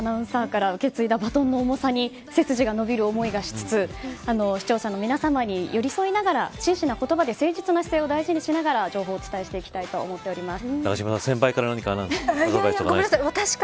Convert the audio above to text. ほんとに、加藤綾子アナウンサーから受け継いだバトンの重さに背筋が伸びる思いがしつつ視聴者の皆さまに寄り添いながら真摯な言葉で誠実な姿勢を大事にしながら情報をお伝えしたいと思っております。